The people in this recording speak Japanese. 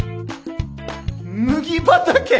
麦畑！？